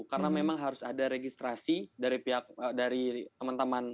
karena memang harus ada registrasi dari teman teman